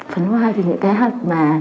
phấn hoa thì những cái hạt mà